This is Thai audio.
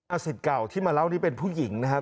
สิทธิ์เก่าที่มาเล่านี้เป็นผู้หญิงนะครับ